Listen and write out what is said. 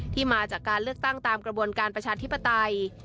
มาจากการเลือกตั้งตามกระบวนการประชาธิปไตย